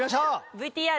ＶＴＲ。